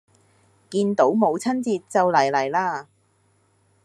見到母親節就嚟嚟啦